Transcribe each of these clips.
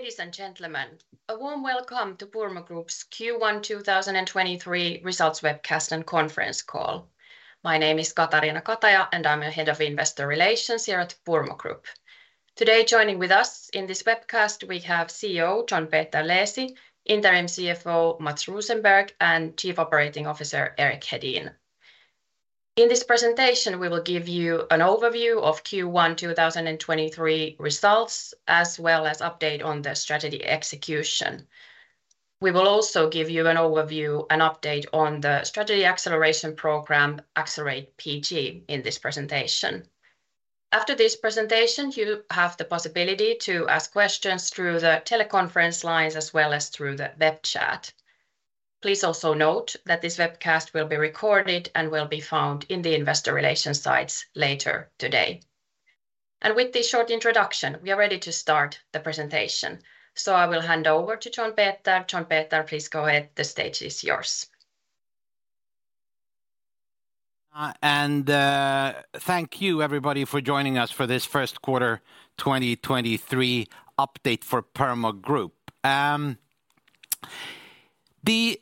Ladies and gentlemen, a warm welcome to Purmo Group's Q1 2023 results webcast and conference call. My name is Katariina Kataja, I'm the Head of Investor Relations here at Purmo Group. Today, joining with us in this webcast, we have CEO John Peter Leesi, Interim CFO Matts Rosenberg, and Chief Operating Officer Erik Hedin. In this presentation, we will give you an overview of Q1 2023 results, as well as update on the strategy execution. We will also give you an overview and update on the strategy acceleration program, Accelerate PG, in this presentation. After this presentation, you have the possibility to ask questions through the teleconference lines as well as through the web chat. Please also note that this webcast will be recorded and will be found in the investor relations sites later today. With this short introduction, we are ready to start the presentation. I will hand over to John Peter. John Peter, please go ahead. The stage is yours. Thank you everybody for joining us for this first quarter 2023 update for Purmo Group. The,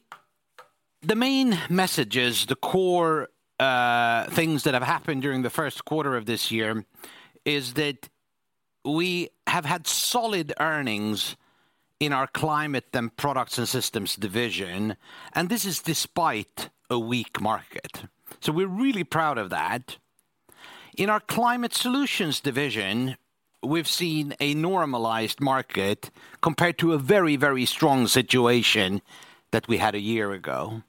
the main messages, the core, things that have happened during the first quarter of this year is that we have had solid earnings in our Climate Products and Systems division, and this is despite a weak market. We're really proud of that. In our Climate Solutions division, we've seen a normalized market compared to a very, very strong situation that we had a year ago.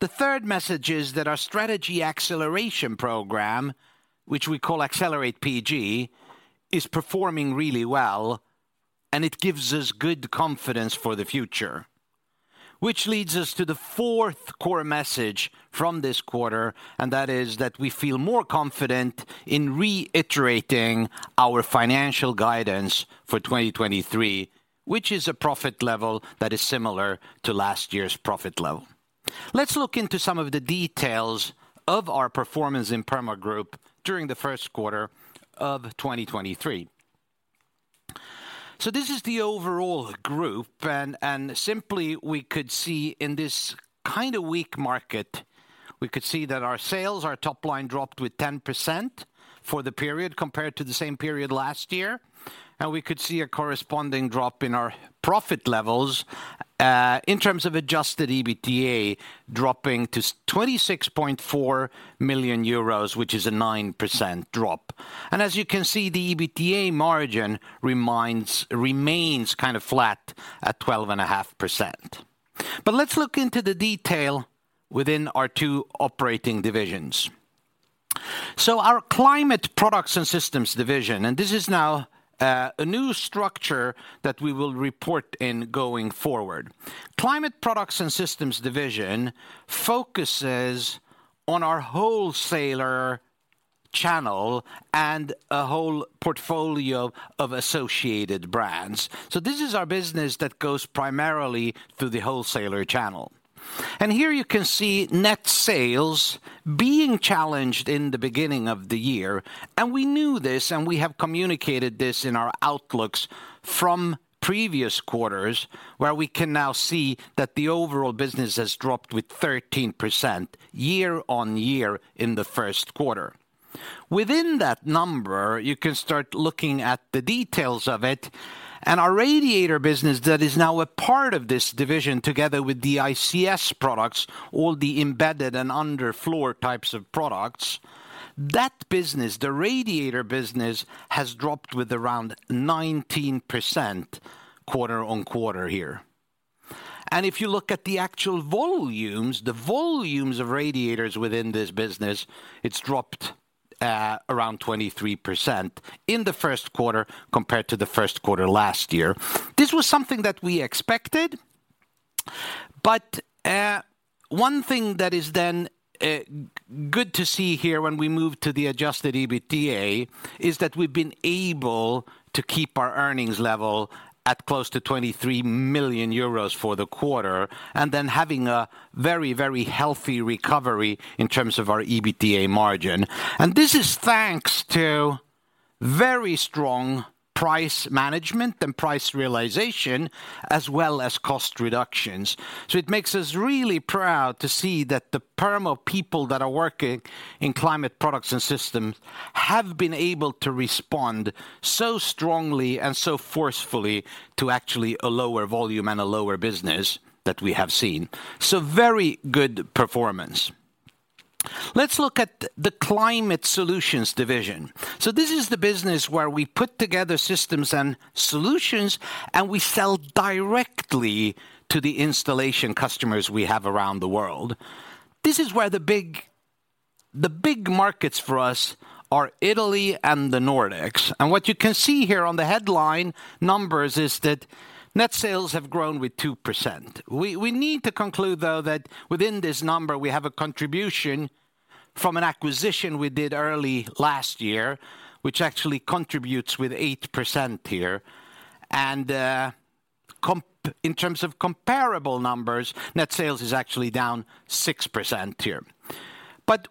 The third message is that our strategy acceleration program, which we call Accelerate PG, is performing really well and it gives us good confidence for the future. Which leads us to the fourth core message from this quarter, and that is that we feel more confident in reiterating our financial guidance for 2023, which is a profit level that is similar to last year's profit level. Let's look into some of the details of our performance in Purmo Group during the first quarter of 2023. This is the overall group, and simply we could see in this kind of weak market, we could see that our sales, our top line dropped with 10% for the period compared to the same period last year. We could see a corresponding drop in our profit levels, in terms of adjusted EBITDA dropping to 26.4 million euros, which is a 9% drop. As you can see, the EBITDA margin remains kind of flat at 12.5%. Let's look into the detail within our two operating divisions. So our Climate Products and Systems division, and this is now a new structure that we will report in going forward. Climate Products and Systems division focuses on our wholesaler channel and a whole portfolio of associated brands. This is our business that goes primarily through the wholesaler channel. Here you can see net sales being challenged in the beginning of the year, and we knew this, and we have communicated this in our outlooks from previous quarters, where we can now see that the overall business has dropped with 13% year-on-year in the first quarter. Within that number, you can start looking at the details of it. Our radiator business that is now a part of this division together with the ICS products, all the embedded and under floor types of products, that business, the radiator business, has dropped with around 19% quarter-over-quarter here. If you look at the actual volumes, the volumes of radiators within this business, it's dropped around 23% in the first quarter compared to the first quarter last year. This was something that we expected, but one thing that is then good to see here when we move to the adjusted EBITDA is that we've been able to keep our earnings level at close to 23 million euros for the quarter, having a very, very healthy recovery in terms of our EBITDA margin. This is thanks to very strong price management and price realization as well as cost reductions. It makes us really proud to see that the Purmo people that are working in Climate Products and Systems have been able to respond so strongly and so forcefully to actually a lower volume and a lower business that we have seen. Very good performance. Let's look at the Climate Solutions division. This is the business where we put together systems and solutions, and we sell directly to the installation customers we have around the world. This is where the big markets for us are Italy and the Nordics. What you can see here on the headline numbers is that net sales have grown with 2%. We need to conclude though that within this number, we have a contribution from an acquisition we did early last year, which actually contributes with 8% here. In terms of comparable numbers, net sales is actually down 6% here.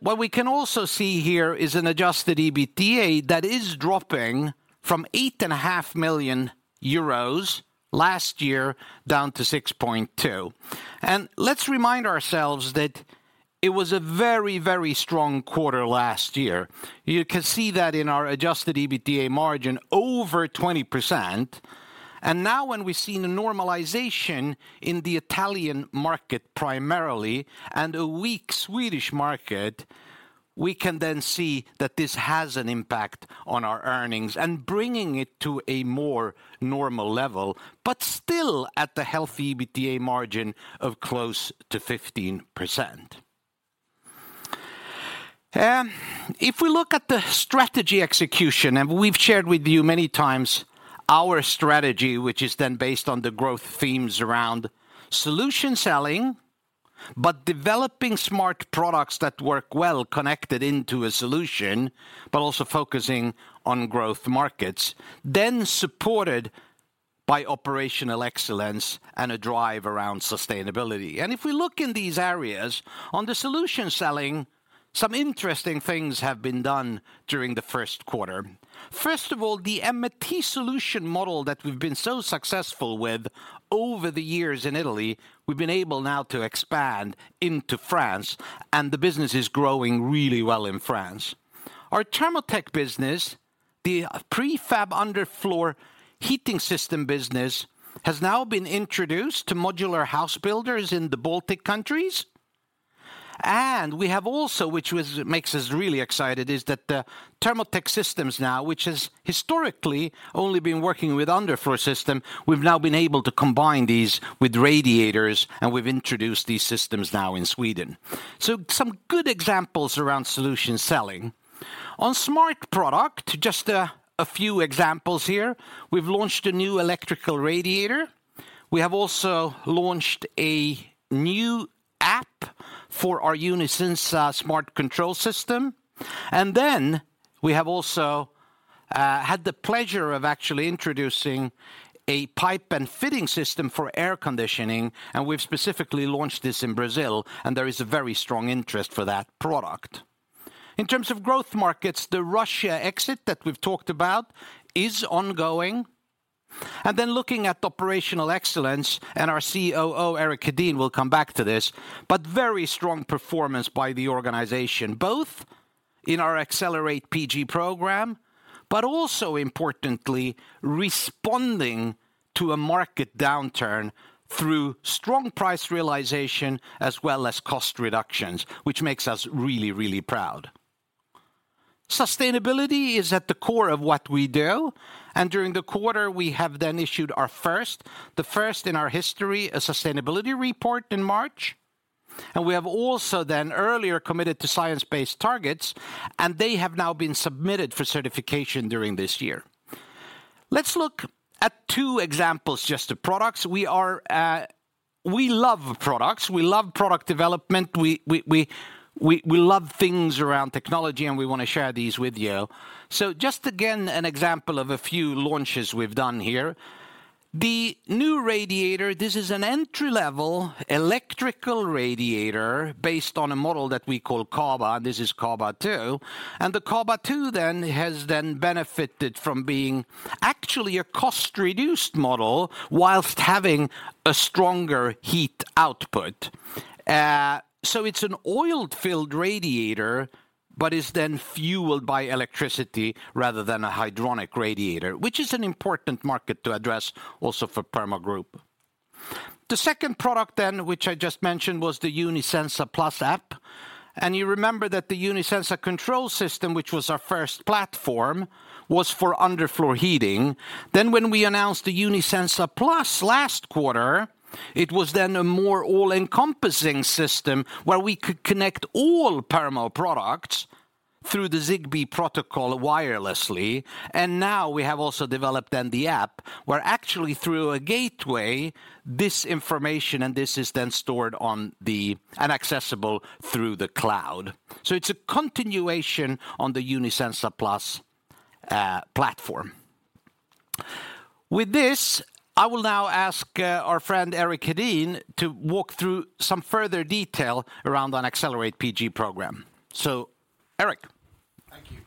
What we can also see here is an adjusted EBITDA that is dropping from 8.5 million euros last year down to 6.2 million. Let's remind ourselves that it was a very strong quarter last year. You can see that in our adjusted EBITDA margin over 20%. Now when we've seen a normalization in the Italian market primarily and a weak Swedish market, we can then see that this has an impact on our earnings and bringing it to a more normal level, but still at the healthy EBITDA margin of close to 15%. If we look at the strategy execution, we've shared with you many times our strategy, which is based on the growth themes around solution selling, developing smart products that work well connected into a solution, also focusing on growth markets, supported by operational excellence and a drive around sustainability. If we look in these areas, on the solution selling, some interesting things have been done during the first quarter. First of all, the M&T solution model that we've been so successful with over the years in Italy, we've been able now to expand into France, the business is growing really well in France. Our Thermotek business, the prefab underfloor heating system business, has now been introduced to modular house builders in the Baltic countries. We have also, which was-- makes us really excited, is that the Thermotek systems now, which has historically only been working with underfloor system, we've now been able to combine these with radiators, and we've introduced these systems now in Sweden. Some good examples around solution selling. On smart product, just a few examples here. We've launched a new electrical radiator. We have also launched a new app for our Unisenza smart control system. Then we have also had the pleasure of actually introducing a pipe and fitting system for air conditioning, and we've specifically launched this in Brazil, and there is a very strong interest for that product. In terms of growth markets, the Russia exit that we've talked about is ongoing. Looking at operational excellence, and our COO, Erik Hedin, will come back to this, but very strong performance by the organization, both in our Accelerate PG program, but also importantly, responding to a market downturn through strong price realization as well as cost reductions, which makes us really, really proud. Sustainability is at the core of what we do, and during the quarter, we have then issued our first, the first in our history, a sustainability report in March. We have also then earlier committed to science-based targets, and they have now been submitted for certification during this year. Let's look at two examples, just the products. We are, we love products. We love product development. We love things around technology, and we wanna share these with you. Just again, an example of a few launches we've done here. The new radiator, this is an entry-level electrical radiator based on a model that we call Kaba, and this is Kaba2. The Kaba2 then has then benefited from being actually a cost-reduced model whilst having a stronger heat output. It's an oil-filled radiator, but is then fueled by electricity rather than a hydronic radiator, which is an important market to address also for Purmo Group. The second product then, which I just mentioned, was the Unisenza Plus app. You remember that the Unisenza control system, which was our first platform, was for underfloor heating. When we announced the Unisenza Plus last quarter, it was then a more all-encompassing system where we could connect all Purmo products through the Zigbee protocol wirelessly. Now we have also developed then the app, where actually through a gateway, this information and this is then stored on the... and accessible through the cloud. It's a continuation on the Unisenza Plus platform. With this, I will now ask our friend, Erik Hedin, to walk through some further detail around on Accelerate PG program. Erik. Thank you.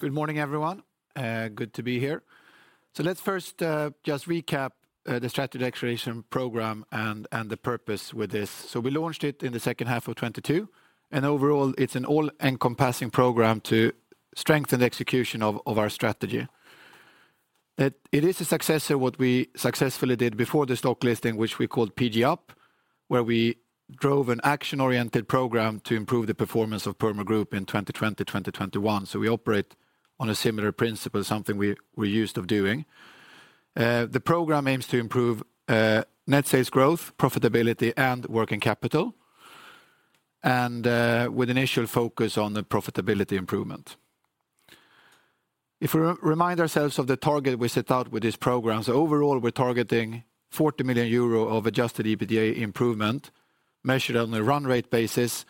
Good morning, everyone. Good to be here. Let's first, just recap, the strategy acceleration program and the purpose with this. We launched it in the second half of 2022, and overall, it's an all-encompassing program to strengthen the execution of our strategy. It is a success of what we successfully did before the stock listing, which we called PGUp, where we drove an action-oriented program to improve the performance of Purmo Group in 2020, 2021. We operate on a similar principle, something we're used of doing. The program aims to improve net sales growth, profitability, and working capital, and with initial focus on the profitability improvement. If we re-remind ourselves of the target we set out with these programs, overall, we're targeting 40 million euro of adjusted EBITDA improvement measured on a run rate basis,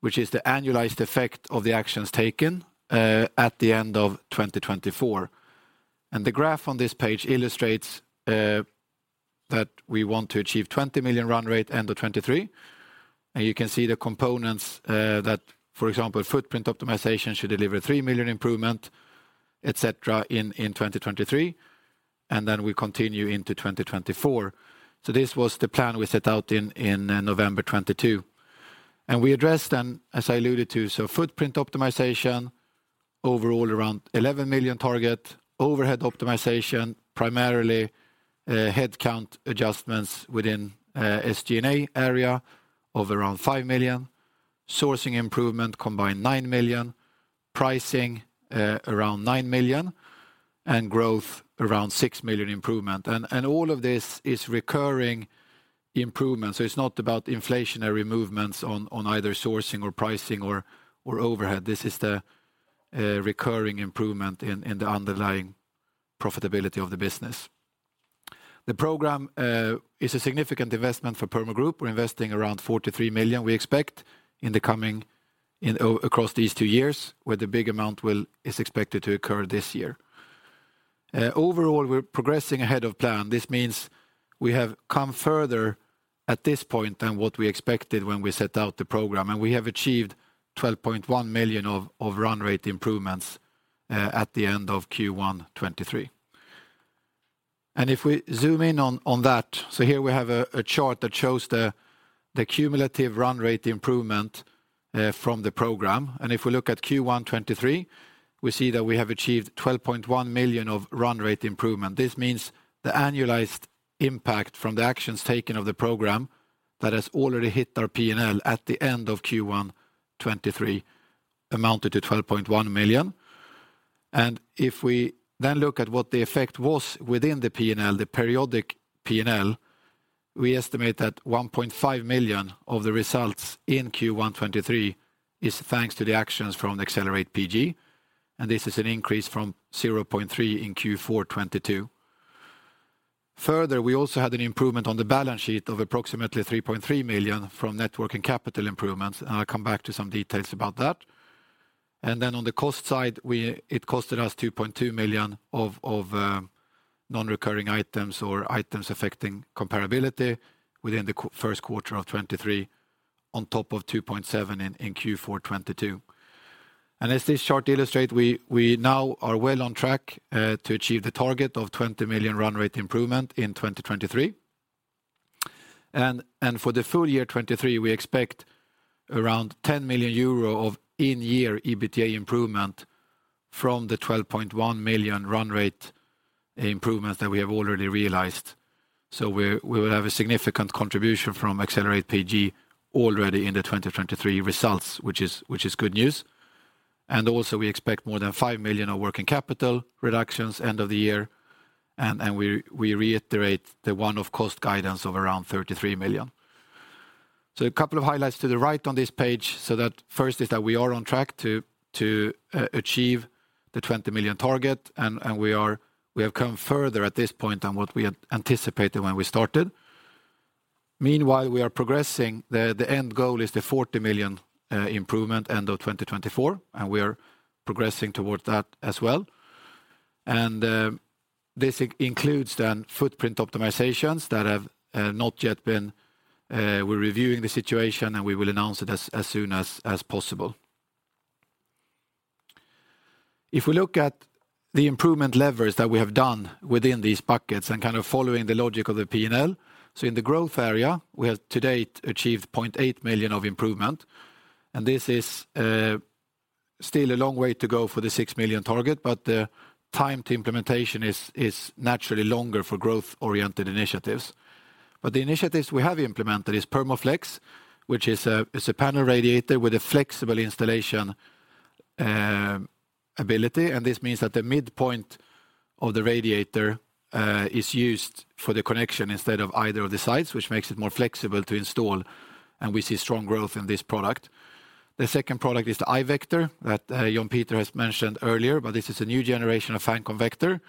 which is the annualized effect of the actions taken at the end of 2024. The graph on this page illustrates that we want to achieve 20 million run rate end of 2023. You can see the components that, for example, footprint optimization should deliver 3 million improvement, et cetera, in 2023, we continue into 2024. This was the plan we set out in November 2022. We addressed then, as I alluded to, so footprint optimization, overall around 11 million target. Overhead optimization, primarily headcount adjustments within SG&A area of around 5 million. Sourcing improvement, combined 9 million. Pricing, around 9 million, and growth around 6 million improvement. All of this is recurring improvements. It's not about inflationary movements on either sourcing or pricing or overhead. This is the recurring improvement in the underlying profitability of the business. The program is a significant investment for Purmo Group. We're investing around 43 million, we expect, in the coming, across these two years, where the big amount is expected to occur this year. Overall, we're progressing ahead of plan. This means we have come further at this point than what we expected when we set out the program, and we have achieved 12.1 million of run rate improvements at the end of Q1 2023. If we zoom in on that, here we have a chart that shows the cumulative run rate improvement from the program. If we look at Q1 2023, we see that we have achieved 12.1 million of run rate improvement. This means the annualized impact from the actions taken of the program that has already hit our P&L at the end of Q1 2023 amounted to 12.1 million. If we then look at what the effect was within the P&L, the periodic P&L, we estimate that 1.5 million of the results in Q1 2023 is thanks to the actions from the Accelerate PG. This is an increase from 0.3 million in Q4 2022. We also had an improvement on the balance sheet of approximately 3.3 million from network and capital improvements. I'll come back to some details about that. On the cost side, it costed us 2.2 million of non-recurring items or items affecting comparability within the first quarter of 2023, on top of 2.7 million in Q4 2022. As this chart illustrate, we now are well on track to achieve the target of 20 million run rate improvement in 2023. For the full year 2023, we expect around 10 million euro of in-year EBITDA improvement from the 12.1 million run rate improvements that we have already realized. We will have a significant contribution from Accelerate PG already in the 2023 results, which is good news. Also, we expect more than 5 million of working capital reductions end of the year. We reiterate the one-off cost guidance of around 33 million. A couple of highlights to the right on this page. That first is that we are on track to achieve the 20 million target, and we have come further at this point than what we had anticipated when we started. Meanwhile, we are progressing. The end goal is the 40 million improvement end of 2024, and we are progressing towards that as well. This includes then footprint optimizations that have not yet been, we're reviewing the situation, and we will announce it as soon as possible. If we look at the improvement levers that we have done within these buckets and kind of following the logic of the P&L. In the growth area, we have to date achieved 0.8 million of improvement. This is still a long way to go for the 6 million target, but the time to implementation is naturally longer for growth-oriented initiatives. The initiatives we have implemented is Permaflex, which is a panel radiator with a flexible installation ability. This means that the midpoint of the radiator is used for the connection instead of either of the sides, which makes it more flexible to install, and we see strong growth in this product. The second product is the iVector that John Peter has mentioned earlier. This is a new generation of fan convector,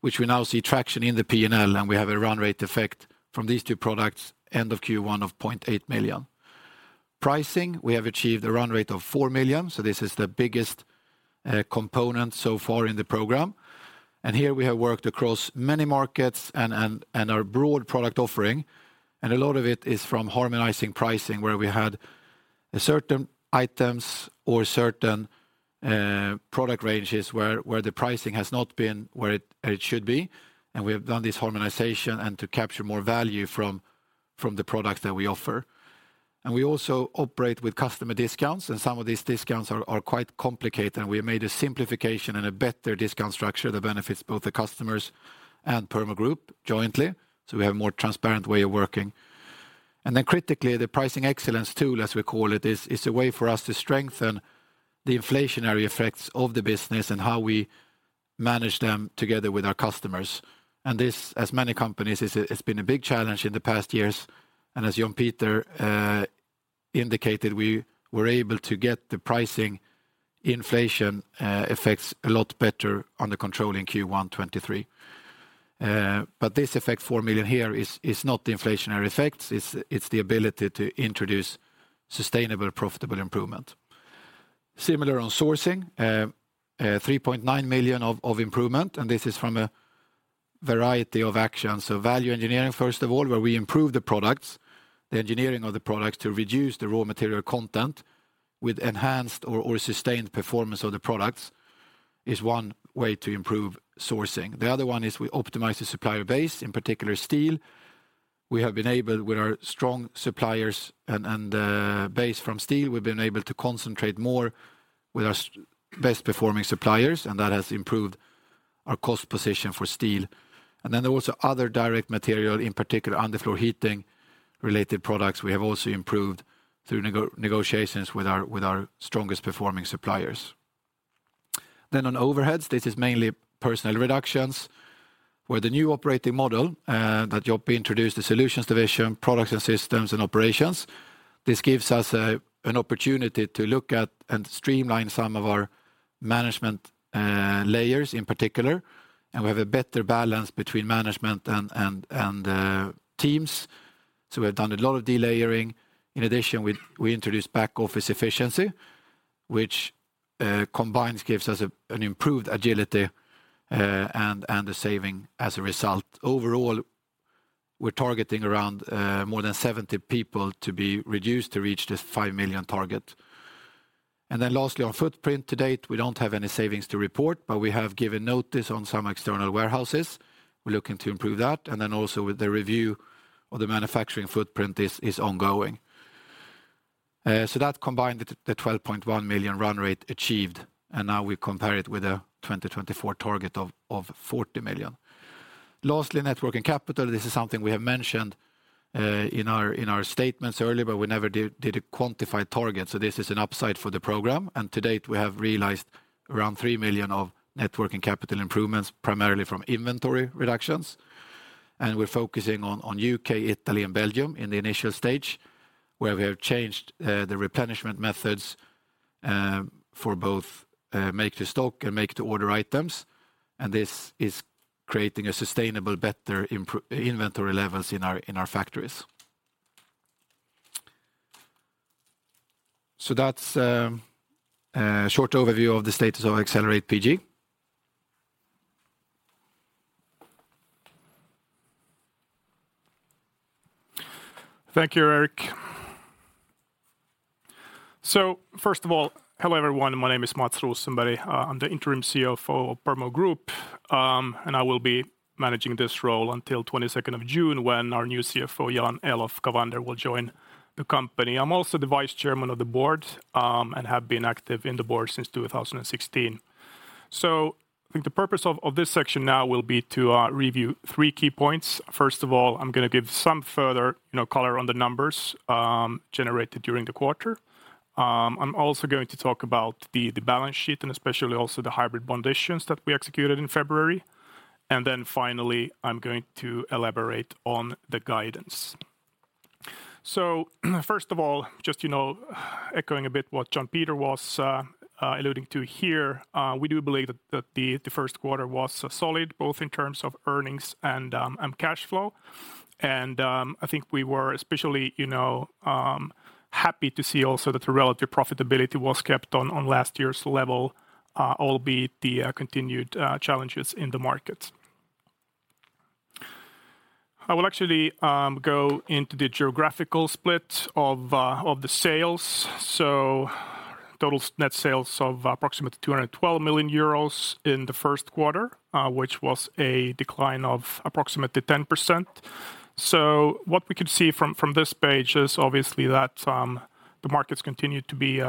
which we now see traction in the P&L. We have a run rate effect from these two products end of Q1 of 0.8 million. Pricing, we have achieved a run rate of 4 million. This is the biggest component so far in the program. Here we have worked across many markets and our broad product offering. A lot of it is from harmonizing pricing, where we had certain items or certain product ranges where the pricing has not been where it should be. We have done this harmonization and to capture more value from the products that we offer. We also operate with customer discounts, and some of these discounts are quite complicated, and we have made a simplification and a better discount structure that benefits both the customers and Purmo Group jointly, so we have a more transparent way of working. Critically, the pricing excellence tool, as we call it, is a way for us to strengthen the inflationary effects of the business and how we manage them together with our customers. This, as many companies, it's been a big challenge in the past years. As John Peter indicated, we were able to get the pricing inflation affects a lot better under control in Q1 2023. This affect 4 million here is not the inflationary effects, it's the ability to introduce sustainable profitable improvement. Similar on sourcing, 3.9 million of improvement. This is from a variety of actions. Value engineering first of all, where we improve the products, the engineering of the products to reduce the raw material content with enhanced or sustained performance of the products is one way to improve sourcing. The other one is we optimize the supplier base, in particular steel. We have been able with our strong suppliers and base from steel, we've been able to concentrate more with our best performing suppliers, and that has improved our cost position for steel. There are also other direct material, in particular underfloor heating related products we have also improved through negotiations with our strongest performing suppliers. On overheads, this is mainly personnel reductions, where the new operating model that Joppe introduced, the solutions division, products and systems and operations, this gives us an opportunity to look at and streamline some of our management layers in particular, and we have a better balance between management and teams. We have done a lot of delayering. In addition, we introduced back office efficiency, which combines, gives us an improved agility and a saving as a result. Overall, we're targeting around more than 70 people to be reduced to reach this 5 million target. Lastly, on footprint to date, we don't have any savings to report, but we have given notice on some external warehouses. We're looking to improve that. Also with the review of the manufacturing footprint is ongoing. That combined the 12.1 million run rate achieved, and now we compare it with a 2024 target of 40 million. Lastly, net working capital. This is something we have mentioned in our statements earlier, but we never did a quantified target. This is an upside for the program. To date, we have realized around 3 million of net working capital improvements, primarily from inventory reductions. We're focusing on UK, Italy, and Belgium in the initial stage, where we have changed the replenishment methods for both make to stock and make to order items. This is creating a sustainable, better inventory levels in our, in our factories. That's a short overview of the status of Accelerate PG. Thank you, Erik. First of all, hello everyone, my name is Matts Rosenberg. I'm the interim CFO for Purmo Group, and I will be managing this role until 22nd of June when our new CFO, Jan-Elof Cavander, will join the company. I'm also the vice chairman of the board, and have been active in the board since 2016. I think the purpose of this section now will be to review three key points. First of all, I'm gonna give some further, you know, color on the numbers generated during the quarter. I'm also going to talk about the balance sheet and especially also the hybrid bond issues that we executed in February. Finally, I'm going to elaborate on the guidance. First of all, just, you know, echoing a bit what John Peter was alluding to here, we do believe that the first quarter was solid, both in terms of earnings and cash flow. I think we were especially, you know, happy to see also that the relative profitability was kept on last year's level, albeit the continued challenges in the markets. I will actually go into the geographical split of the sales. Total net sales of approximately 212 million euros in the first quarter, which was a decline of approximately 10%. What we could see from this page is obviously that the markets continued to be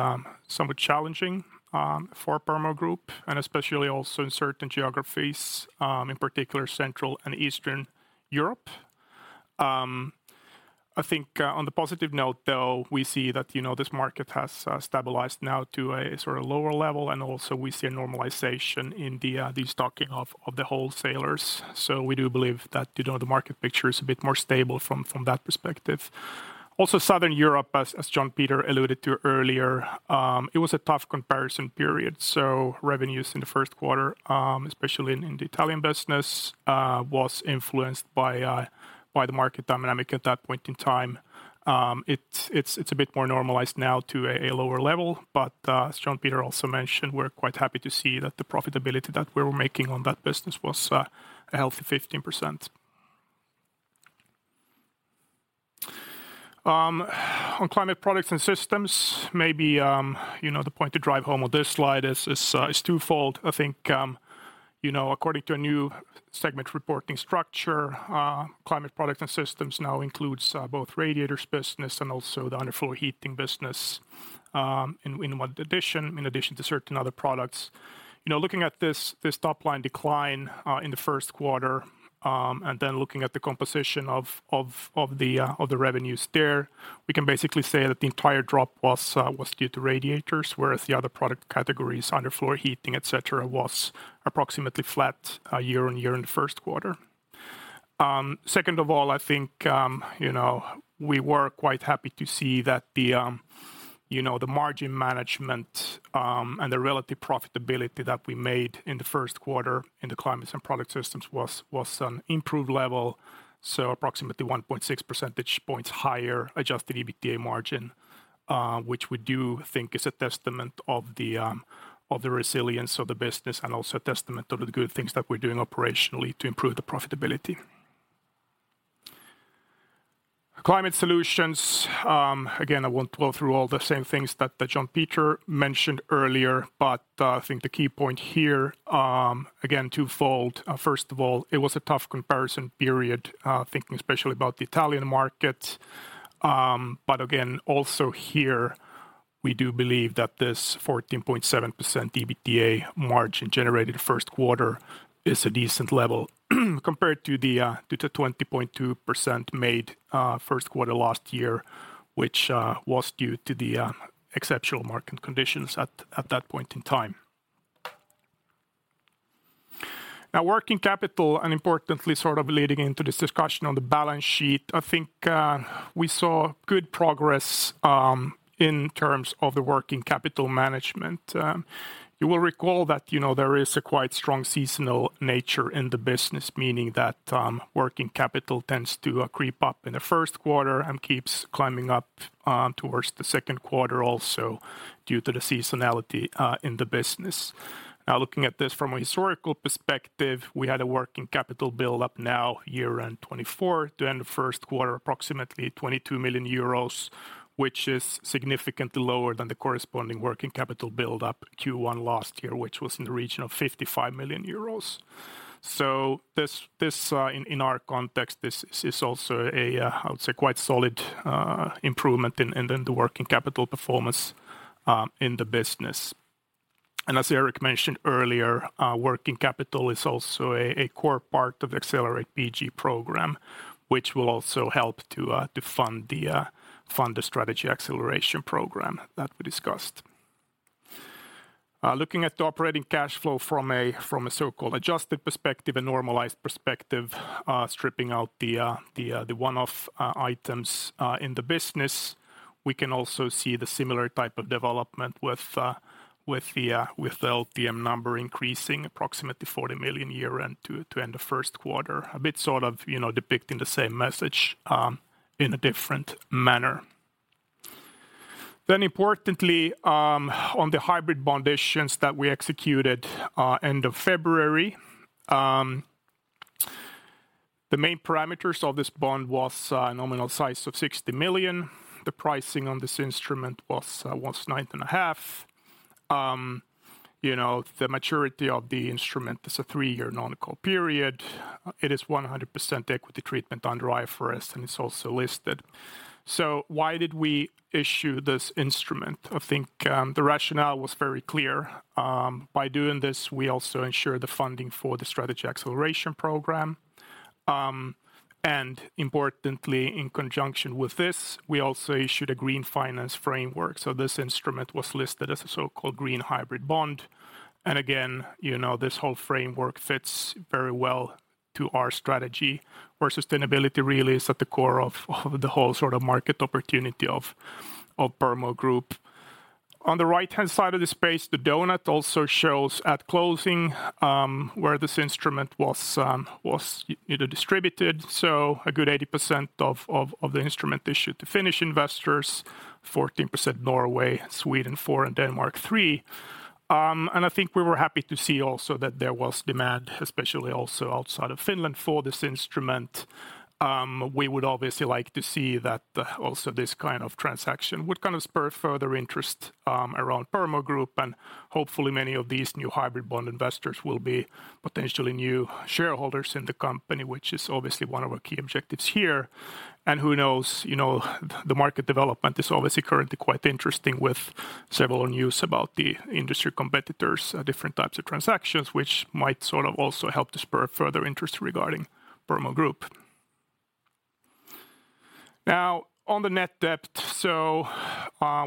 somewhat challenging for Purmo Group and especially also in certain geographies, in particular Central and Eastern Europe. I think on the positive note, though, we see that, you know, this market has stabilized now to a sort of lower level, and also we see a normalization in the stocking of the wholesalers. We do believe that, you know, the market picture is a bit more stable from that perspective. Also Southern Europe, as John Peter alluded to earlier, it was a tough comparison period. Revenues in the first quarter, especially in the Italian business, was influenced by the market dynamic at that point in time. It's a bit more normalized now to a lower level. As John Peter also mentioned, we're quite happy to see that the profitability that we were making on that business was a healthy 15%. On Climate Products and Systems, maybe, you know, the point to drive home on this slide is twofold. You know, according to a new segment reporting structure, Climate Products and Systems now includes both radiators business and also the underfloor heating business in addition to certain other products. You know, looking at this top line decline in the first quarter, looking at the composition of the revenues there, we can basically say that the entire drop was due to radiators, whereas the other product categories, underfloor heating, et cetera, was approximately flat year-on-year in the first quarter. Second of all, I think, you know, we were quite happy to see that the, you know, the margin management and the relative profitability that we made in the first quarter in the Climate Products and Systems was an improved level, so approximately 1.6 percentage points higher adjusted EBITDA margin, which we do think is a testament of the resilience of the business and also a testament of the good things that we're doing operationally to improve the profitability. Climate Solutions, again, I won't go through all the same things that John Peter mentioned earlier. I think the key point here, again, twofold. First of all, it was a tough comparison period, thinking especially about the Italian market. Again, also here, we do believe that this 14.7% EBITDA margin generated first quarter is a decent level compared to the 20.2% made first quarter last year, which was due to the exceptional market conditions at that point in time. Working capital and importantly, sort of leading into this discussion on the balance sheet, I think, we saw good progress in terms of the working capital management. You will recall that, you know, there is a quite strong seasonal nature in the business, meaning that, working capital tends to creep up in the first quarter and keeps climbing up towards the second quarter also due to the seasonality in the business. Looking at this from a historical perspective, we had a working capital build up now year end 2024 to end the first quarter, approximately 22 million euros, which is significantly lower than the corresponding working capital build up Q1 last year, which was in the region of 55 million euros. This, in our context, this is also a, I would say, quite solid, improvement in the working capital performance, in the business. As Erik mentioned earlier, working capital is also a core part of Accelerate PG program, which will also help to fund the strategy acceleration program that we discussed. Looking at the operating cash flow from a so-called adjusted perspective, a normalized perspective, stripping out the one-off items in the business, we can also see the similar type of development with the LTM number increasing approximately 40 million year end to end the first quarter. A bit sort of, you know, depicting the same message in a different manner. Importantly, on the hybrid bond issuance that we executed end of February, the main parameters of this bond was nominal size of 60 million. The pricing on this instrument was nine and a half. You know, the maturity of the instrument is a three-year non-call period. It is 100% equity treatment under IFRS, and it's also listed. Why did we issue this instrument? I think, the rationale was very clear. By doing this, we also ensure the funding for the Strategy Acceleration Program. Importantly, in conjunction with this, we also issued a green finance framework. This instrument was listed as a so-called green hybrid bond. Again, you know, this whole framework fits very well to our strategy, where sustainability really is at the core of the whole sort of market opportunity of Purmo Group. On the right-hand side of the space, the donut also shows at closing, where this instrument was, you know, distributed. A good 80% of the instrument issued to Finnish investors, 14% Norway, Sweden 4%, and Denmark 3%. I think we were happy to see also that there was demand, especially also outside of Finland for this instrument. We would obviously like to see that also this kind of transaction would kind of spur further interest around Purmo Group. Hopefully, many of these new hybrid bond investors will be potentially new shareholders in the company, which is obviously one of our key objectives here. Who knows, you know, the market development is obviously currently quite interesting with several news about the industry competitors, different types of transactions, which might sort of also help to spur further interest regarding Purmo Group. On the net debt, so,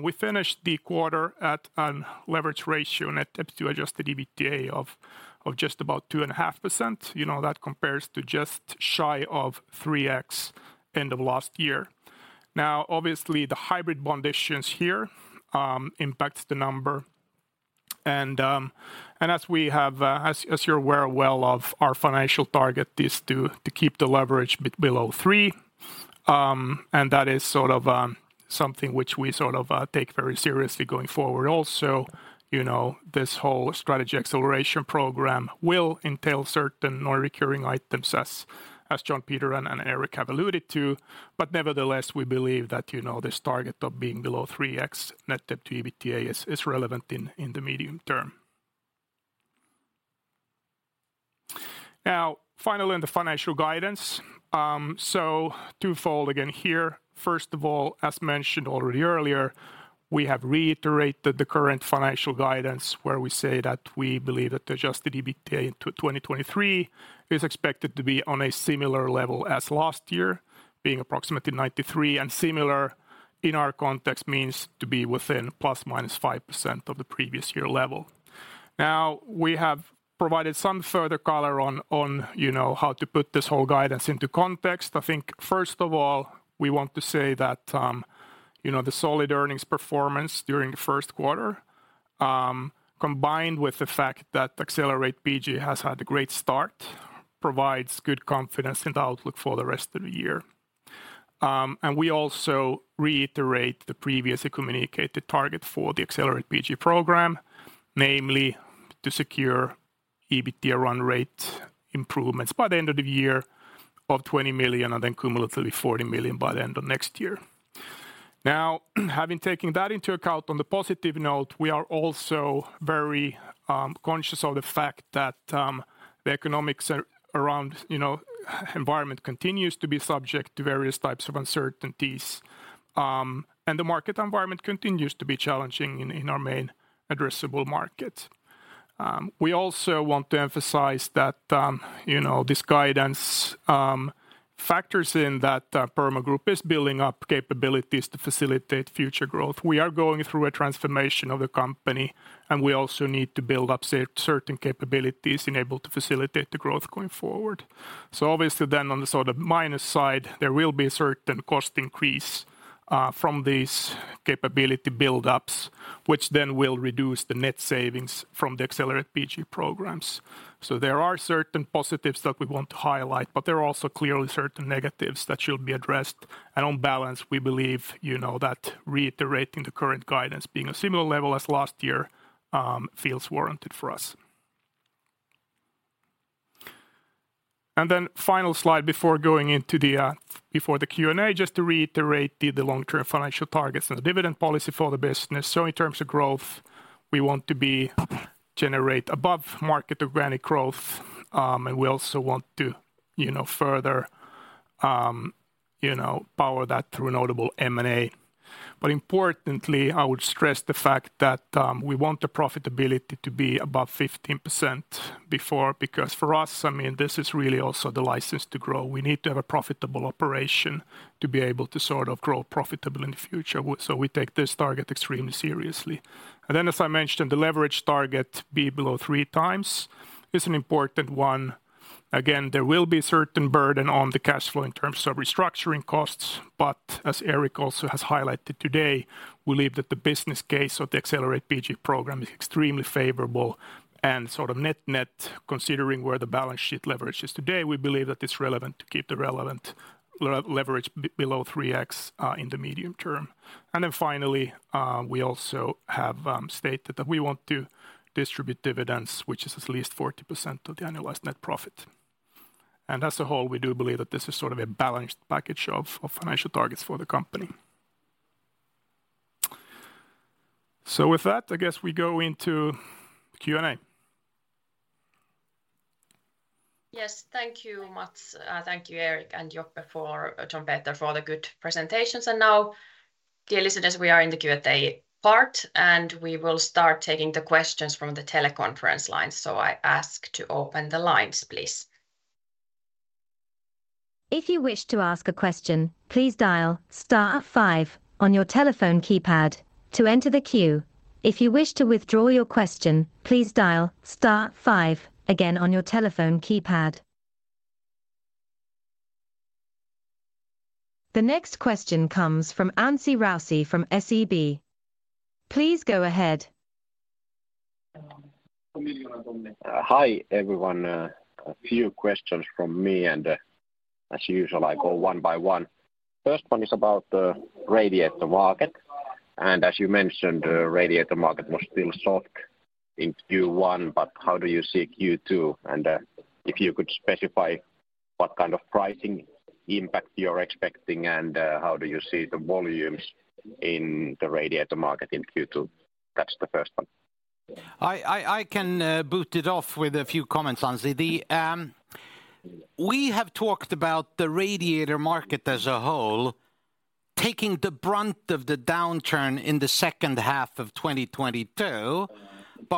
we finished the quarter at an leverage ratio net debt to adjusted EBITDA of just about 2.5%. You know, that compares to just shy of 3x end of last year. Obviously, the hybrid bond issuance here, impacts the number. As you're aware well of our financial target is to keep the leverage below 3x. That is sort of something which we sort of take very seriously going forward. Also, you know, this whole strategy acceleration program will entail certain non-recurring items as John Peter and Erik have alluded to. Nevertheless, we believe that, you know, this target of being below 3x net debt to EBITDA is relevant in the medium term. Finally, on the financial guidance, twofold again here. First of all, as mentioned already earlier, we have reiterated the current financial guidance, where we say that we believe that the adjusted EBITDA in 2023 is expected to be on a similar level as last year, being approximately 93 million. Similar in our context means to be within ±5% of the previous year level. We have provided some further color on, you know, how to put this whole guidance into context. First of all, we want to say that, you know, the solid earnings performance during the first quarter. Combined with the fact that Accelerate PG has had a great start, provides good confidence in the outlook for the rest of the year. We also reiterate the previously communicated target for the Accelerate PG program, namely to secure EBITDA run rate improvements by the end of the year of 20 million and then cumulatively 40 million by the end of next year. Having taken that into account, on the positive note, we are also very conscious of the fact that the economics around, you know, environment continues to be subject to various types of uncertainties, and the market environment continues to be challenging in our main addressable market. We also want to emphasize that, you know, this guidance factors in that Purmo Group is building up capabilities to facilitate future growth. We are going through a transformation of the company, and we also need to build up certain capabilities enabled to facilitate the growth going forward. Obviously then on the sort of minus side, there will be a certain cost increase from these capability buildups, which then will reduce the net savings from the Accelerate PG programs. There are certain positives that we want to highlight, but there are also clearly certain negatives that should be addressed. On balance, we believe, you know, that reiterating the current guidance being a similar level as last year, feels warranted for us. Then final slide before going into the before the Q&A, just to reiterate the long-term financial targets and the dividend policy for the business. In terms of growth, we want to be generate above market organic growth, and we also want to, you know, further, you know, power that through notable M&A. Importantly, I would stress the fact that we want the profitability to be above 15% before, because for us, I mean, this is really also the license to grow. We need to have a profitable operation to be able to sort of grow profitable in the future. So we take this target extremely seriously. Then as I mentioned, the leverage target be below 3x is an important one. Again, there will be certain burden on the cash flow in terms of restructuring costs. As Erik also has highlighted today, we believe that the business case of the Accelerate PG program is extremely favorable and sort of net-net considering where the balance sheet leverage is today, we believe that it's relevant to keep the relevant leverage below 3x in the medium term. Finally, we also have stated that we want to distribute dividends, which is at least 40% of the annualized net profit. As a whole, we do believe that this is sort of a balanced package of financial targets for the company. With that, I guess we go into Q&A. Yes. Thank you, Mats. Thank you, Erik and Joppe, John Peter for the good presentations. Now, dear listeners, we are in the Q&A part, and we will start taking the questions from the teleconference lines. I ask to open the lines, please. If you wish to ask a question, please dial star five on your telephone keypad to enter the queue. If you wish to withdraw your question, please dial star five again on your telephone keypad. The next question comes from Anssi Raussi from SEB. Please go ahead. Hi, everyone. A few questions from me and, as usual, I go one by one. First one is about the radiator market. As you mentioned, the radiator market was still soft in Q1, but how do you see Q2? If you could specify what kind of pricing impact you're expecting, how do you see the volumes in the radiator market in Q2? That's the first one. I can boot it off with a few comments, Anssi. We have talked about the radiator market as a whole taking the brunt of the downturn in the second half of 2022.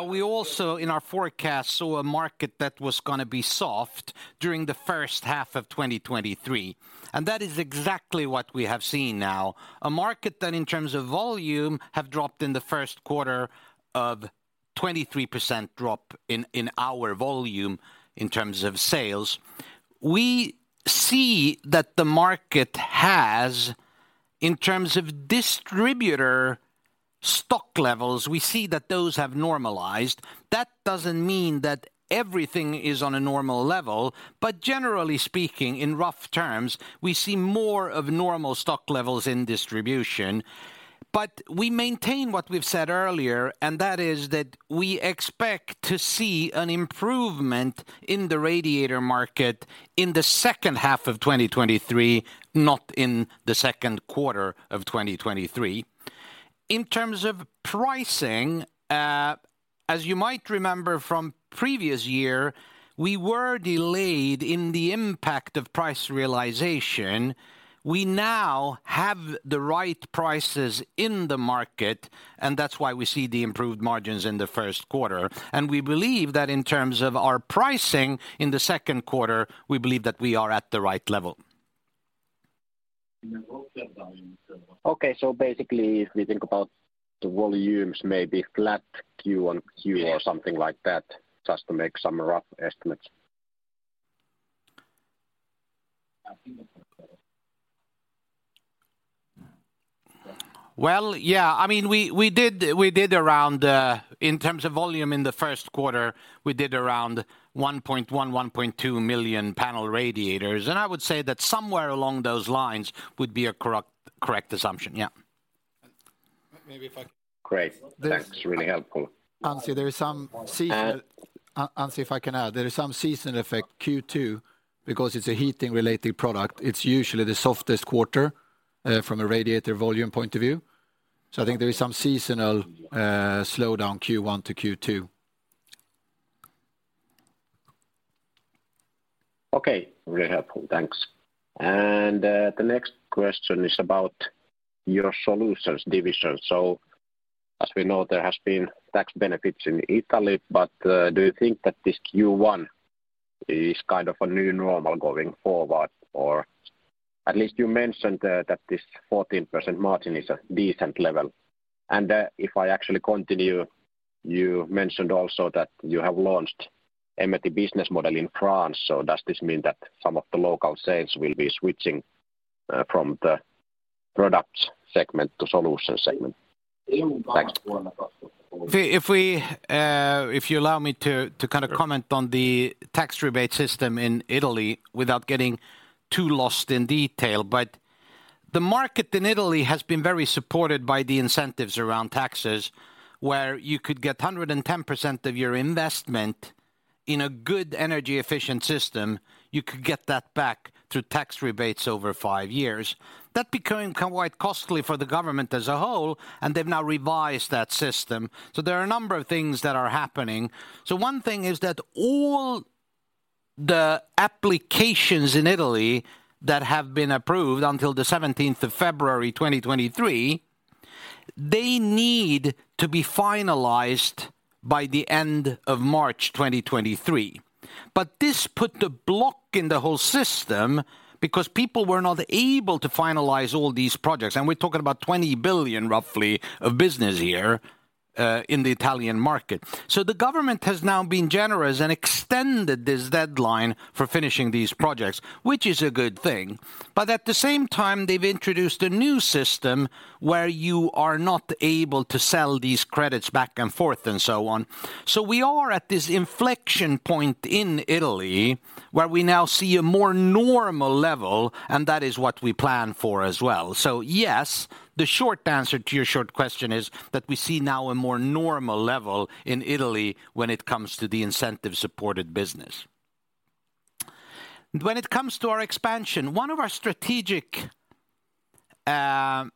We also in our forecast saw a market that was gonna be soft during the first half of 2023. That is exactly what we have seen now, a market that in terms of volume have dropped in the first quarter of 23% drop in our volume in terms of sales. We see that the market has, in terms of distributor stock levels, we see that those have normalized. That doesn't mean that everything is on a normal level, but generally speaking, in rough terms, we see more of normal stock levels in distribution. We maintain what we've said earlier, and that is that we expect to see an improvement in the radiator market in the second half of 2023, not in the second quarter of 2023. In terms of pricing, as you might remember from previous year, we were delayed in the impact of price realization. We now have the right prices in the market, and that's why we see the improved margins in the first quarter. We believe that in terms of our pricing in the second quarter, we believe that we are at the right level. Okay. Basically, if we think about the volumes may be flat Q on Q... Yeah... or something like that, just to make some rough estimates. Well, yeah, I mean, we did around in terms of volume in the first quarter, we did around 1.1 million-1.2 million panel radiators. I would say that somewhere along those lines would be a correct assumption, yeah. Maybe. Great. That's really helpful. Anssi, there is some season-. And- Anssi, if I can add, there is some seasonal effect Q2 because it's a heating related product. It's usually the softest quarter, from a radiator volume point of view. I think there is some seasonal slowdown Q1 to Q2. Okay. Very helpful. Thanks. The next question is about your Solutions division. As we know, there has been tax benefits in Italy, but do you think that this Q1 is kind of a new normal going forward? At least you mentioned that this 14% margin is a decent level. If I actually continue, you mentioned also that you have launched M&T business model in France. Does this mean that some of the local sales will be switching from the product segment to Solution segment? Thanks. If we, if you allow me to kind of comment on the tax rebate system in Italy without getting too lost in detail. The market in Italy has been very supported by the incentives around taxes, where you could get 110% of your investment in a good energy efficient system, you could get that back through tax rebates over five years. That became quite costly for the government as a whole, and they've now revised that system. There are a number of things that are happening. One thing is that all the applications in Italy that have been approved until the 17th of February 2023, they need to be finalized by the end of March 2023. This put a block in the whole system because people were not able to finalize all these projects. We're talking about 20 billion roughly of business here in the Italian market. The government has now been generous and extended this deadline for finishing these projects, which is a good thing. At the same time, they've introduced a new system where you are not able to sell these credits back and forth and so on. We are at this inflection point in Italy, where we now see a more normal level, and that is what we plan for as well. Yes, the short answer to your short question is that we see now a more normal level in Italy when it comes to the incentive supported business. When it comes to our expansion, one of our strategic imperatives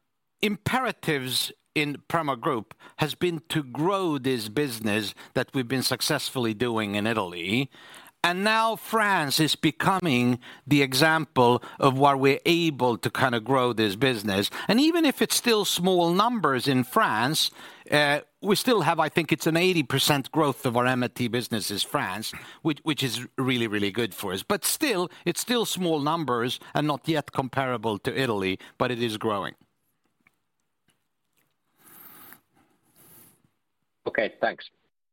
in Purmo Group has been to grow this business that we've been successfully doing in Italy. Now France is becoming the example of where we're able to kind of grow this business. Even if it's still small numbers in France, we still have, I think it's an 80% growth of our M&T business is France, which is really, really good for us. Still, it's still small numbers and not yet comparable to Italy, but it is growing. Okay, thanks.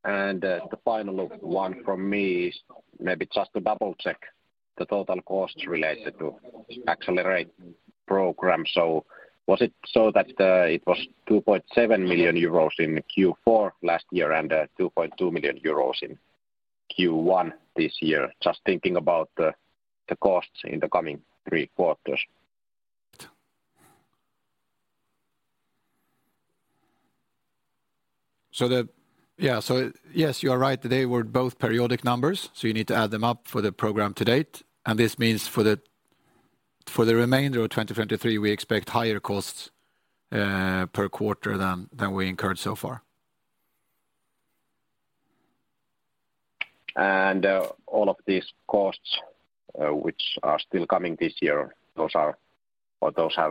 The final one from me is maybe just to double-check the total costs related to Accelerate program. Was it so that it was 2.7 million euros in Q4 last year and 2.2 million euros in Q1 this year? Just thinking about the costs in the coming three quarters. Yeah. Yes, you are right. They were both periodic numbers, so you need to add them up for the program to date. This means for the, for the remainder of 2023, we expect higher costs per quarter than we incurred so far. All of these costs, which are still coming this year, those have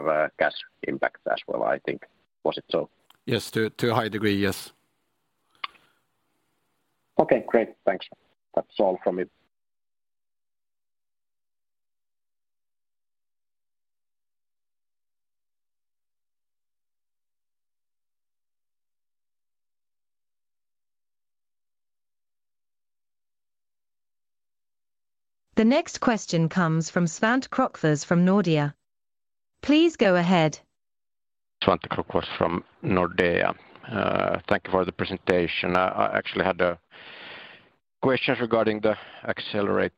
a cash impact as well, I think. Was it so? Yes. To a high degree, yes. Okay, great. Thanks. That's all from me. The next question comes from Svante Krokfors from Nordea. Please go ahead. Svante Krokfors from Nordea. Thank you for the presentation. I actually had a question regarding the Accelerate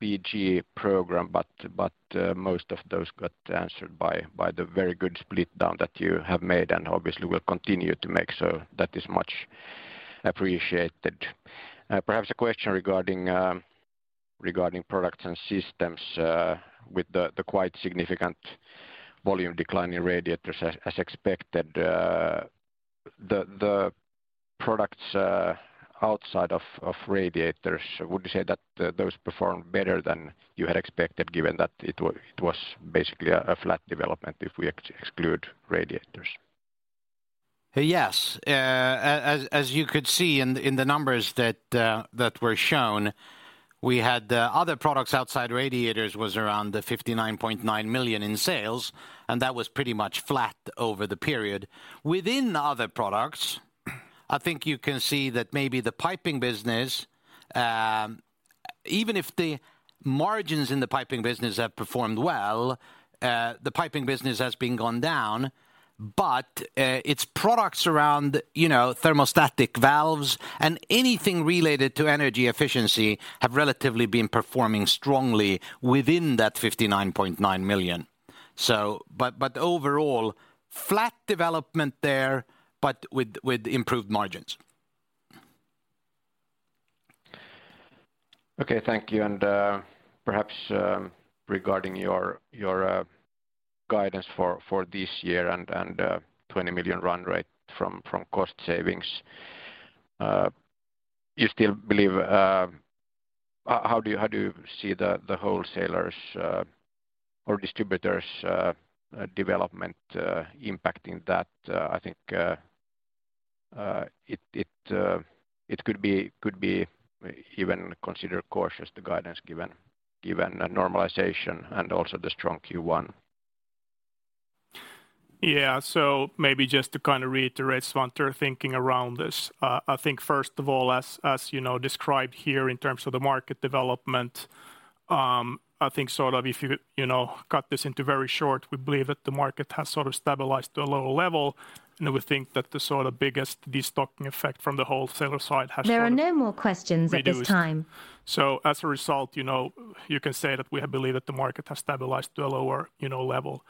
PG program, but most of those got answered by the very good split down that you have made and obviously will continue to make. That is much appreciated. Perhaps a question regarding Products and Systems, with the quite significant volume decline in radiators as expected. The products outside of radiators, would you say that those performed better than you had expected, given that it was basically a flat development if we exclude radiators? Yes. As you could see in the numbers that were shown, we had other products outside radiators was around 59.9 million in sales. That was pretty much flat over the period. Within the other products, I think you can see that maybe the piping business. Even if the margins in the piping business have performed well, the piping business has been gone down, but its products around, you know, thermostatic valves and anything related to energy efficiency have relatively been performing strongly within that 59.9 million. Overall, flat development there, but with improved margins. Okay, thank you. Perhaps regarding your guidance for this year and 20 million run rate from cost savings, how do you see the wholesalers' or distributors' development impacting that? I think it could be even considered cautious, the guidance given a normalization and also the strong Q1. Maybe just to kind of reiterate Svante thinking around this, I think first of all, as you know, described here in terms of the market development, I think sort of if you know, cut this into very short, we believe that the market has sort of stabilized to a lower level, and we think that the sort of biggest destocking effect from the wholesaler side has sort of reduced. There are no more questions at this time. As a result, you know, you can say that we believe that the market has stabilized to a lower, you know, level.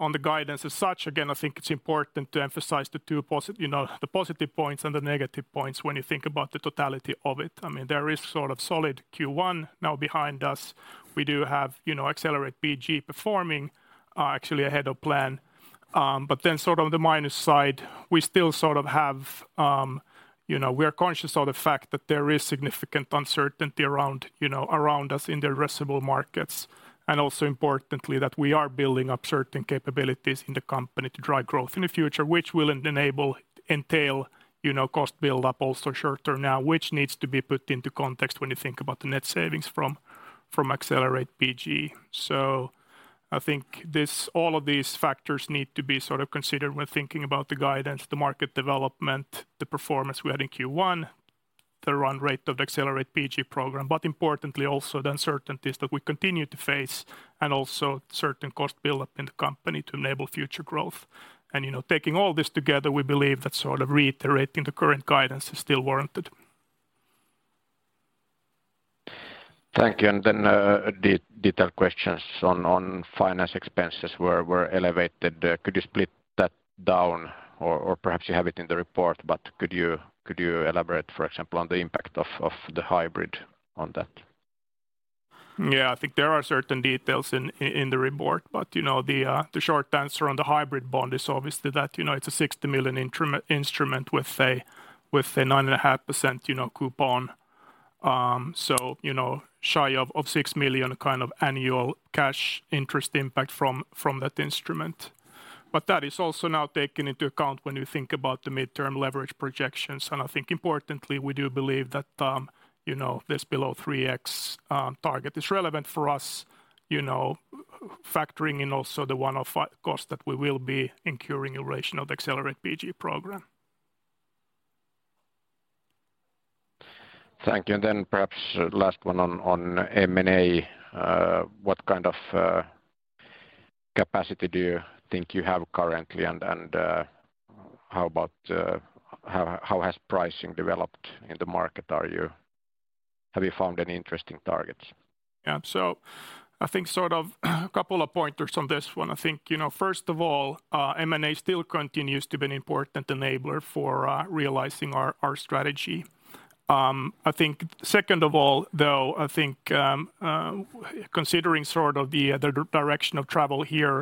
On the guidance as such, again, I think it's important to emphasize the two positive points and the negative points when you think about the totality of it. I mean, there is sort of solid Q1 now behind us. We do have, you know, Accelerate PG performing, actually ahead of plan. Sort of the minus side, we still sort of have, you know, we are conscious of the fact that there is significant uncertainty around, you know, around us in the addressable markets, and also importantly that we are building up certain capabilities in the company to drive growth in the future, which will entail, you know, cost build-up also shorter now, which needs to be put into context when you think about the net savings from Accelerate PG. I think all of these factors need to be sort of considered when thinking about the guidance, the market development, the performance we had in Q1, the run rate of the Accelerate PG program, but importantly also the uncertainties that we continue to face and also certain cost build-up in the company to enable future growth. You know, taking all this together, we believe that sort of reiterating the current guidance is still warranted. Thank you. Detail questions on finance expenses were elevated. Could you split that down or perhaps you have it in the report, but could you elaborate, for example, on the impact of the hybrid on that? I think there are certain details in the report, you know, the short answer on the hybrid bond is obviously that, you know, it's a 60 million instrument with a 9.5%, you know, coupon, so, you know, shy of 6 million kind of annual cash interest impact from that instrument. That is also now taken into account when you think about the midterm leverage projections. I think importantly, we do believe that, you know, this below 3x target is relevant for us, you know, factoring in also the one-off cost that we will be incurring in relation of Accelerate PG program. Thank you. Perhaps last one on M&A. What kind of capacity do you think you have currently, and how about how has pricing developed in the market? Have you found any interesting targets? I think sort of a couple of pointers on this one. I think, you know, first of all, M&A still continues to be an important enabler for realizing our strategy. I think second of all, though, I think, considering sort of the direction of travel here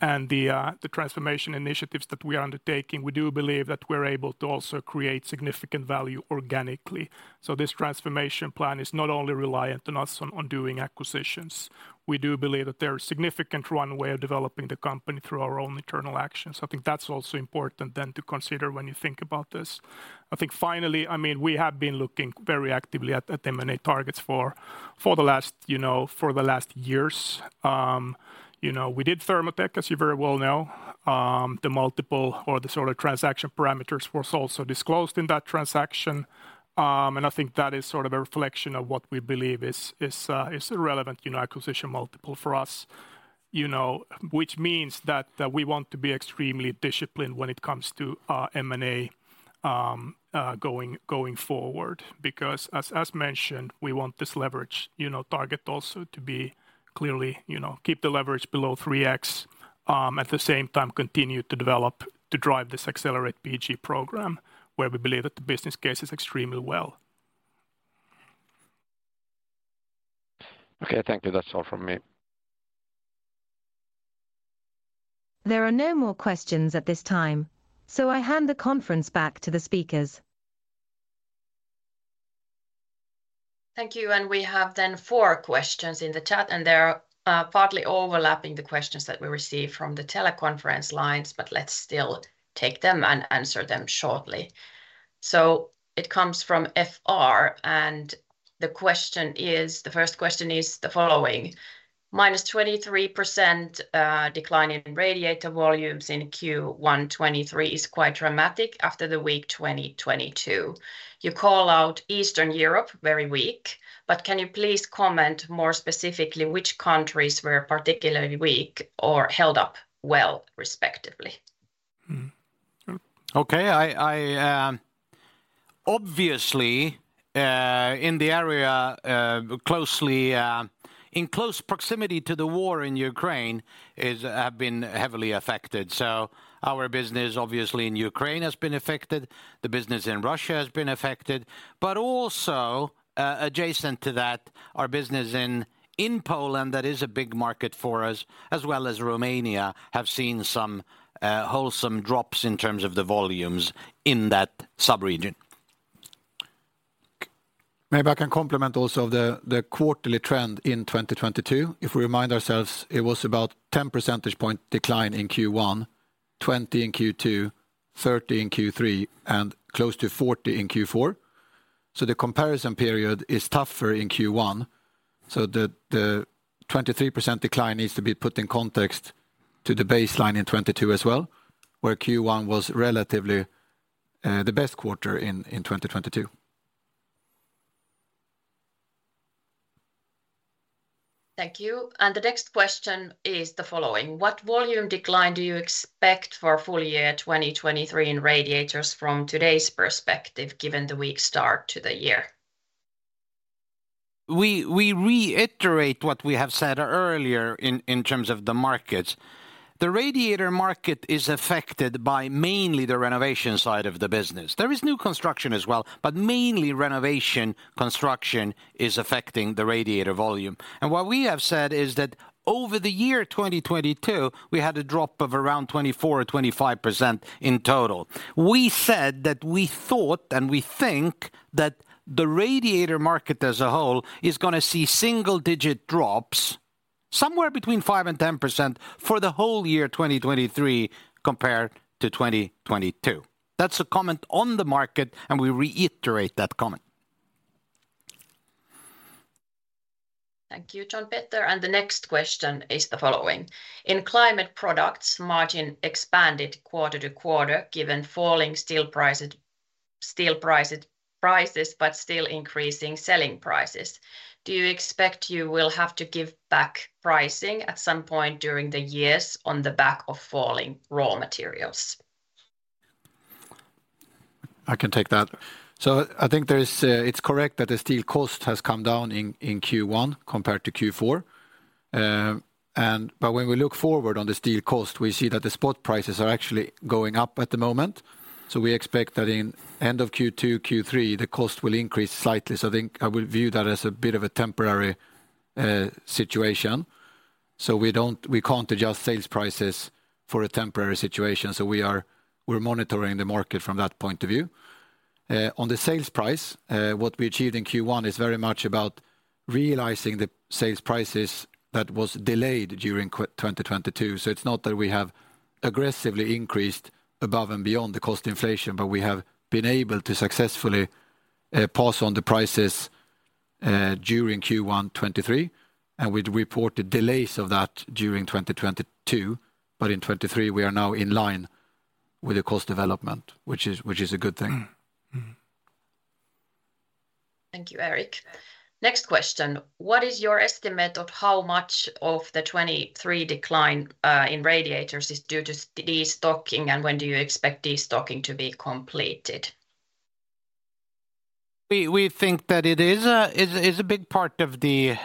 and the transformation initiatives that we are undertaking, we do believe that we're able to also create significant value organically. This transformation plan is not only reliant on us on doing acquisitions. We do believe that there is significant runway of developing the company through our own internal actions. I think that's also important then to consider when you think about this. I think finally, I mean, we have been looking very actively at M&A targets for the last, you know, for the last years. You know, we did Thermotech, as you very well know. The multiple or the sort of transaction parameters was also disclosed in that transaction. I think that is sort of a reflection of what we believe is a relevant, you know, acquisition multiple for us, you know, which means that we want to be extremely disciplined when it comes to M&A going forward. As mentioned, we want this leverage, you know, target also to be clearly, you know, keep the leverage below 3x, at the same time continue to develop, to drive this Accelerate PG program where we believe that the business case is extremely well. Okay. Thank you. That's all from me. There are no more questions at this time. I hand the conference back to the speakers. Thank you. We have then four questions in the chat, and they are partly overlapping the questions that we received from the teleconference lines, but let's still take them and answer them shortly. It comes from FR. The question is, the first question is the following: -23% decline in radiator volumes in Q1 2023 is quite dramatic after the weak 2022. You call out Eastern Europe very weak, but can you please comment more specifically which countries were particularly weak or held up well respectively? Okay. I, obviously, in the area, closely, in close proximity to the war in Ukraine has been heavily affected. Our business, obviously, in Ukraine has been affected, the business in Russia has been affected. Also, adjacent to that, our business in Poland, that is a big market for us, as well as Romania, have seen some wholesome drops in terms of the volumes in that sub-region. Maybe I can complement also the quarterly trend in 2022. If we remind ourselves, it was about 10 percentage point decline in Q1, 20 in Q2, 30 in Q3, and close to 40 in Q4. The comparison period is tougher in Q1, so the 23% decline needs to be put in context to the baseline in 2022 as well, where Q1 was relatively the best quarter in 2022. Thank you. The next question is the following: What volume decline do you expect for full year 2023 in radiators from today's perspective given the weak start to the year? We reiterate what we have said earlier in terms of the markets. The radiator market is affected by mainly the renovation side of the business. There is new construction as well, but mainly renovation construction is affecting the radiator volume. What we have said is that over the year 2022, we had a drop of around 24% or 25% in total. We said that we thought, and we think, that the radiator market as a whole is gonna see single-digit drops, somewhere between 5% and 10%, for the whole year 2023 compared to 2022. That's a comment on the market, and we reiterate that comment. Thank you, John Peter. The next question is the following: In Climate Products, margin expanded quarter-to-quarter given falling steel prices but still increasing selling prices. Do you expect you will have to give back pricing at some point during the years on the back of falling raw materials? I can take that. I think there is, it's correct that the steel cost has come down in Q1 compared to Q4. When we look forward on the steel cost, we see that the spot prices are actually going up at the moment, we expect that in end of Q2, Q3, the cost will increase slightly. I think I would view that as a bit of a temporary situation, we don't, we can't adjust sales prices for a temporary situation, we are, we're monitoring the market from that point of view. The sales price, what we achieved in Q1 is very much about realizing the sales prices that was delayed during 2022. It's not that we have aggressively increased above and beyond the cost inflation, but we have been able to successfully pass on the prices during Q1 2023, and we'd reported delays of that during 2022. In 2023 we are now in line with the cost development, which is a good thing. Hmm. Hmm. Thank you, Erik. Next question: What is your estimate of how much of the 2023 decline, in radiators is due to destocking, and when do you expect destocking to be completed? We think that it is a big part of the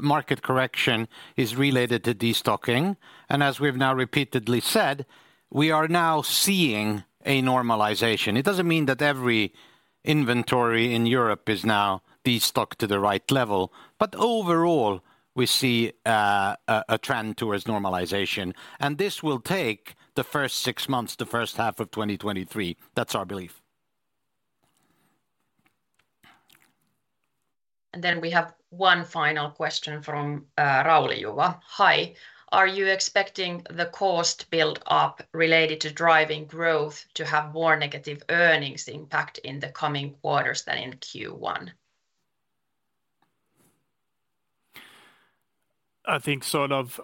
market correction is related to destocking. As we've now repeatedly said, we are now seeing a normalization. It doesn't mean that every inventory in Europe is now destocked to the right level. Overall, we see a trend towards normalization, and this will take the first six months, the first half of 2023. That's our belief. We have one final question from Raul Juva. Hi, are you expecting the cost build-up related to driving growth to have more negative earnings impact in the coming quarters than in Q1? I think sort of,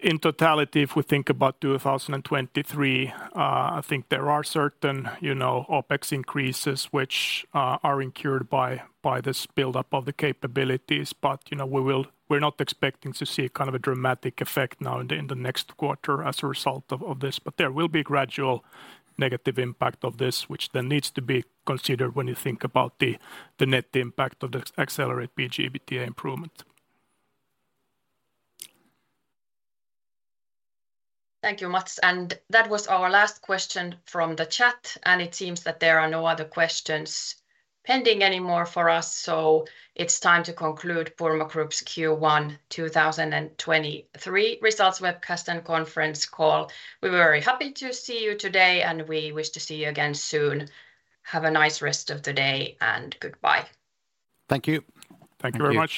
in totality, if we think about 2023, I think there are certain, you know, OPEX increases which are incurred by this build-up of the capabilities. You know, we will, we're not expecting to see kind of a dramatic effect now in the next quarter as a result of this, but there will be gradual negative impact of this which then needs to be considered when you think about the net impact of the accelerated EBITDA improvement. Thank you, Matts. That was our last question from the chat. It seems that there are no other questions pending anymore for us. It's time to conclude Purmo Group's Q1 2023 results webcast and conference call. We were very happy to see you today. We wish to see you again soon. Have a nice rest of the day. Goodbye. Thank you. Thank you very much.